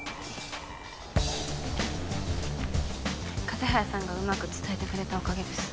風早さんがうまく伝えてくれたおかげです。